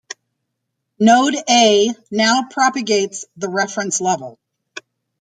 Node A now propagates the reference level.